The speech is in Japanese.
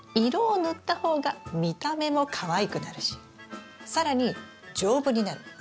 色を塗った方が見た目もかわいくなるし更に丈夫になる。